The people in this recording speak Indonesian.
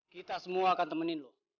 kita semua akan temenin loh